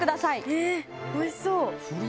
えっおいしそう。